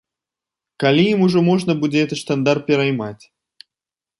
Калі ім ужо можна будзе гэты штандар пераймаць?